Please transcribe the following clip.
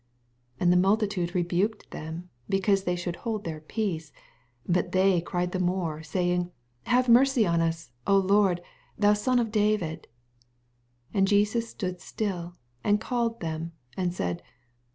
81 And the multitude rebuked them, because they should hold their peace : but they cried the more, say ing, Have mercy on us, Lord, ihou Son of David. 32 And Jesus stood still, and called them, and said.